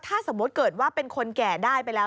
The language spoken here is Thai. ถ้าสมมุติเกิดว่าเป็นคนแก่ได้ไปแล้ว